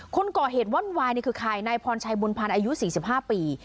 คนก่อเหตุว่อนวายนี่คือใครนายพรชัยบุญพันธ์อายุ๔๕ปี